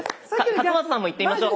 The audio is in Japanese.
勝俣さんもいってみましょう。